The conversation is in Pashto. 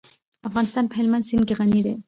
افغانستان په هلمند سیند غني دی.